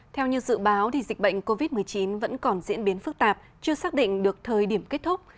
theo như dự báo dịch bệnh covid một mươi chín vẫn còn diễn biến phức tạp chưa xác định được thời điểm kết thúc